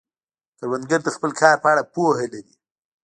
کروندګر د خپل کار په اړه پوهه لري